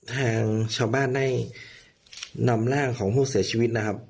ทางชาวบ้านได้นำร่างของผู้เสียชีวิตนะครับ